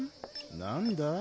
何だ？